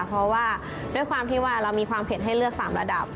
เพราะว่าด้วยความที่ว่าเรามีความเผ็ดให้เลือก๓ระดับ